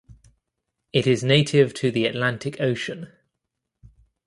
It is native to the Atlantic Ocean.